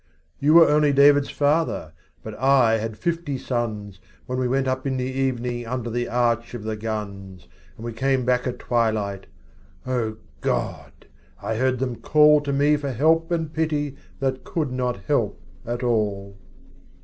You were, only David's father, But I had fifty sons When we went up in the evening Under the arch of the guns, And we came back at twilight — O God ! I heard them call To me for help and pity That could not help at all.